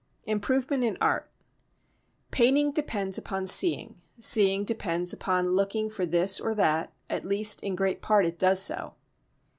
Improvement in Art Painting depends upon seeing; seeing depends upon looking for this or that, at least in great part it does so.